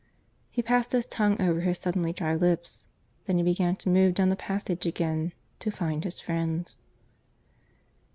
He passed his tongue over his suddenly dry lips. Then he began to move down the passage again, to find his friends.